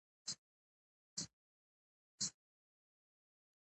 افغانان به له خپلواکۍ څخه برخمن سوي وي.